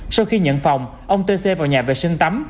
sau khi nhận phòng ông t c vào nhà vệ sinh tắm